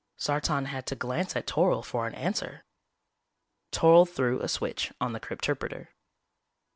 Sartan had to glance at Toryl for an answer. Toryl threw a switch on the crypterpreter.